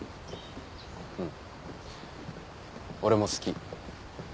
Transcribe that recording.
うん俺も好き。